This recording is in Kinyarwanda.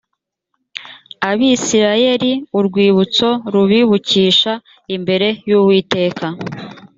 abisirayeli urwibutso rubibukisha imbere y uwiteka